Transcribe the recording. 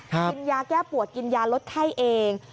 กินยาแก้ปวดกินยาลดไข้เอง